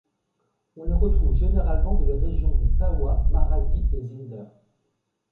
On les retrouve généralement dans les régions de Tahoua, Maradi et Zinder…